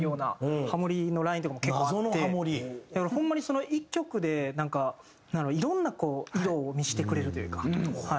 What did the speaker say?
だからホンマに１曲でなんかなんやろういろんな色を見せてくれるというか。